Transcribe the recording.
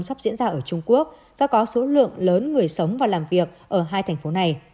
sắp diễn ra ở trung quốc do có số lượng lớn người sống và làm việc ở hai thành phố này